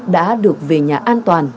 đã được về nhà an toàn